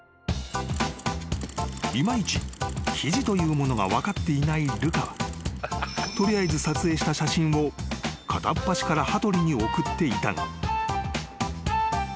［いまいち記事というものが分かっていないルカは取りあえず撮影した写真を片っ端から羽鳥に送っていたが］